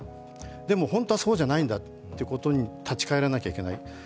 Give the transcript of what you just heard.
でも本当はそうじゃないんだってことに立ち返らなきゃいけない。